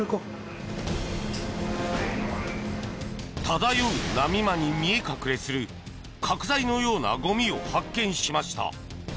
漂う波間に見え隠れする角材のようなゴミを発見しました。